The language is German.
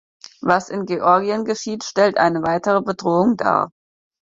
Was in Georgien geschieht, stellt eine weitere Bedrohung dar.